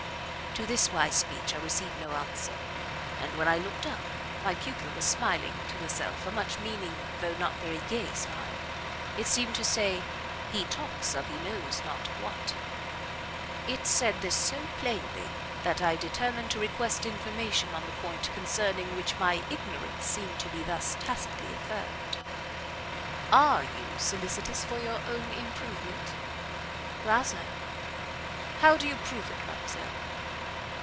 To this wise speech I received no answer; and, when I looked up, my pupil was smiling to herself a much meaning, though not very gay smile; it seemed to say, "He talks of he knows not what:" it said this so plainly, that I determined to request information on the point concerning which my ignorance seemed to be thus tacitly affirmed. "Are you solicitous for your own improvement?" "Rather." "How do you prove it, mademoiselle?"